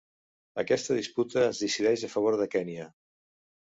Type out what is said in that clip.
Aquesta disputa es decideix a favor de Kenya.